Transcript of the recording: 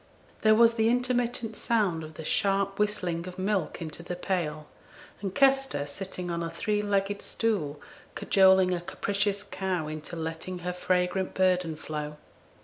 There was the intermittent sound of the sharp whistling of milk into the pail, and Kester, sitting on a three legged stool, cajoling a capricious cow into letting her fragrant burden flow.